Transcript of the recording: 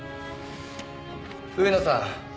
上野さん